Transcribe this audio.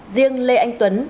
riêng lê anh tuấn